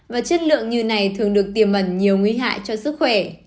và chất lượng như này thường được tiềm ẩn nhiều nguy hại cho sức khỏe